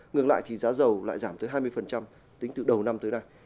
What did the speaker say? ngược lại thì giá dầu lại giảm tới hai mươi tính từ đầu năm tới nay